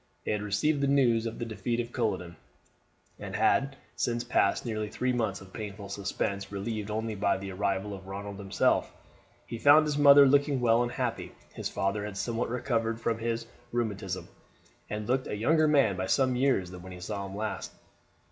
They had received the news of the defeat at Culloden, and had since passed nearly three months of painful suspense, relieved only by the arrival of Ronald himself. He found his mother looking well and happy; his father had somewhat recovered from his rheumatism, and looked a younger man by some years than when he saw him last.